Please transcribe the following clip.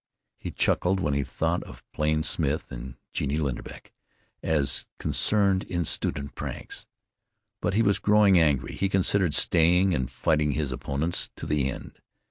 He chuckled when he thought of Plain Smith and Genie Linderbeck as "concerned in student pranks." But he was growing angry. He considered staying and fighting his opponents to the end.